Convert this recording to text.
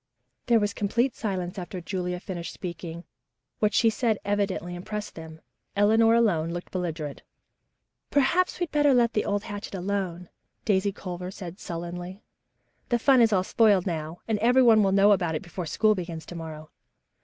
There was complete silence after Julia finished speaking. What she had said evidently impressed them. Eleanor alone looked belligerent. "Perhaps we'd better let the old hatchet alone," Daisy Culver said sullenly. "The fun is all spoiled now, and everyone will know about it before school begins to morrow."